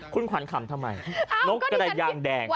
คุณขวัญขำทำไมนกกระดายางแดง